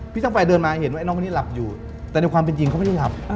ช่างไฟเดินมาเห็นว่าไอน้องคนนี้หลับอยู่แต่ในความเป็นจริงเขาไม่ได้หลับ